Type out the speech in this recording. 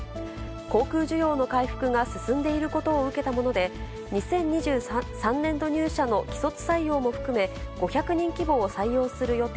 航空需要の回復が進んでいることを受けたもので、２０２３年度入社の既卒採用も含め、５００人規模を採用する予定